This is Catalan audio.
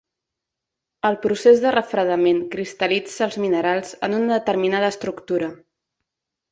El procés de refredament cristal·litza els minerals en una determinada estructura.